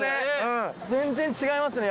全然違いますね